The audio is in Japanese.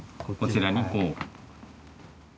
こちらにこう。